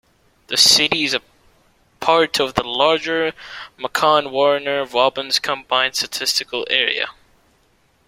The city is a part of the larger Macon-Warner Robins Combined Statistical Area.